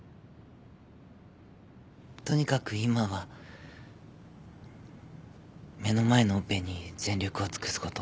とにかく今は目の前のオペに全力を尽くすこと。